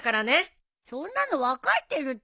そんなの分かってるって。